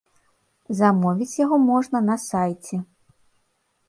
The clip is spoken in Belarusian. Замовіць яго можна на сайце.